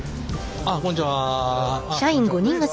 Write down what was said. ああこんにちは。